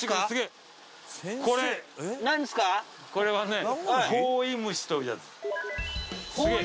これはね。